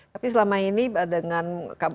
tapi selama ini dengan